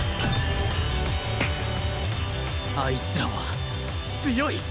あいつらは強い！